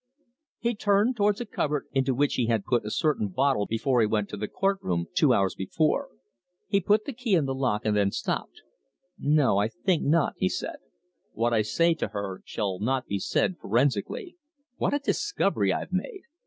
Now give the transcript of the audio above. He turned towards a cupboard into which he had put a certain bottle before he went to the court room two hours before. He put the key in the lock, then stopped. "No, I think not!" he said. "What I say to her shall not be said forensically. What a discovery I've made!